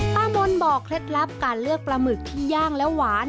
มนต์บอกเคล็ดลับการเลือกปลาหมึกที่ย่างและหวาน